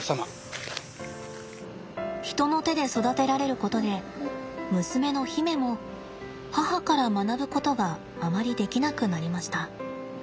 人の手で育てられることで娘の媛も母から学ぶことがあまりできなくなりました。